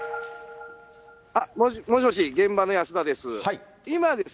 もしもし、現場の安田です。